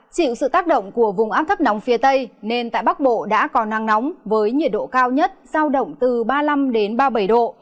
chịu sự tác động của vùng áp thấp nóng phía tây nên tại bắc bộ đã có nắng nóng với nhiệt độ cao nhất giao động từ ba mươi năm ba mươi bảy độ